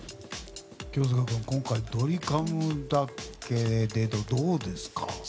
清塚君、今回ドリカムだけどどうですか？